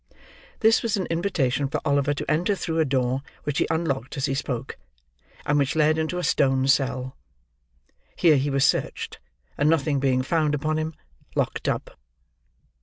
This was an invitation for Oliver to enter through a door which he unlocked as he spoke, and which led into a stone cell. Here he was searched; and nothing being found upon him, locked up.